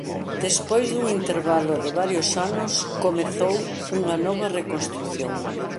Despois dun intervalo de varios anos comezou unha nova reconstrución.